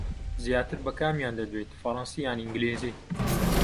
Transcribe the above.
زیاتر بە کامیان دەدوێیت، فەڕەنسی یان ئینگلیزی؟